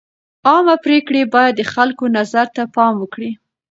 عامه پرېکړې باید د خلکو نظر ته پام وکړي.